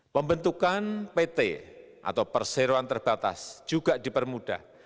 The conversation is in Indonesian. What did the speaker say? pembentukan pt atau perseroan terbatas juga dipermudah